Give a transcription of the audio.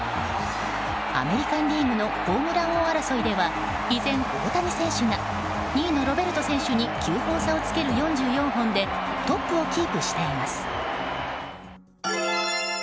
アメリカン・リーグのホームラン王争いでは依然、大谷選手が２位のロベルト選手に９本差をつける４４本でトップをキープしています。